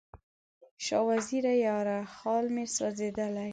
شاه وزیره یاره، خال مې سولېدلی